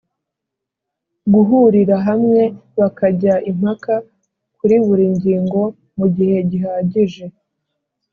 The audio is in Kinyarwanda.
guhurirahamwe bakajya impaka kuri buri ngingo mu gihe gihagije